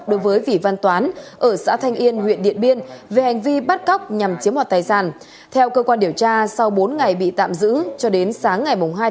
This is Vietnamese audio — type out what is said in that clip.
đối với vĩ văn toán ở xã thanh yên huyện điện biên về hành vi bắt cóc nhằm chiếm hoạt tài sản